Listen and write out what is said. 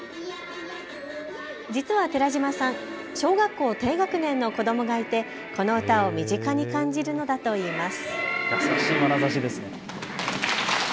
実は寺島さん、小学校低学年の子どもがいて、この歌を身近に感じるのだといいます。